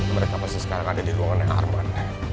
mereka pasti sekarang ada di ruangannya arman